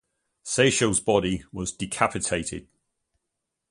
Schill's body was decapitated.